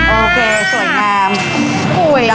โอเคสวยงาม